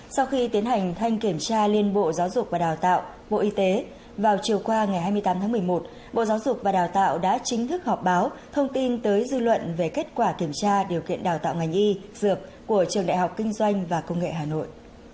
sau khi tiến hành thanh kiểm tra liên bộ giáo dục và đào tạo bộ y tế vào chiều qua ngày hai mươi tám tháng một mươi một bộ giáo dục và đào tạo đã chính thức họp báo thông tin tới dư luận về kết quả kiểm tra điều kiện đào tạo ngành y dược của trường đại học kinh doanh và công nghệ hà nội